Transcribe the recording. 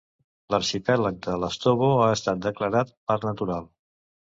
L'arxipèlag de Lastovo ha estat declarat parc natural.